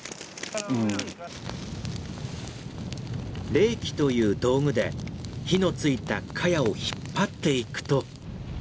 レーキという道具で火のついたカヤを引っ張っていくと。